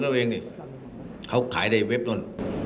ถ้าเหรอเขาขายในเวปนั่น